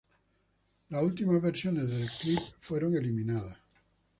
Las últimas versiones del clip fueron eliminadas.